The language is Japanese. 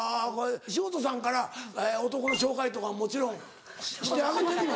潮田さんから男の紹介とかもちろんしてあげてるの？